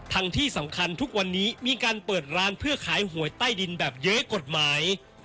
ทั้งที่สำคัญทุกวันนี้มีการเปิดร้านเพื่อขายหวยใต้ดินแบบเยอะกฎหมาย